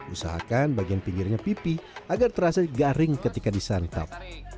usahakan bagian pinggirnya pipih agar terasa garing ketika disantap